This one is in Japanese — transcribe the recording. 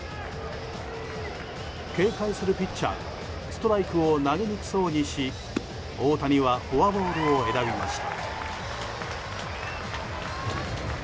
警戒するピッチャーがストライクを投げにくそうにし大谷はフォアボールを選びました。